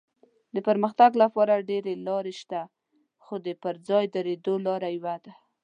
د پرمختګ لپاره ډېرې لارې شته خو د پر ځای درېدو لاره یوه ده.